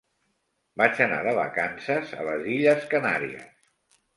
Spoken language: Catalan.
Vaig anar de vacances a les Illes Canàries.